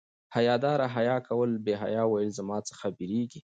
حیا دار حیا کوله بې حیا ویل زما څخه بيریږي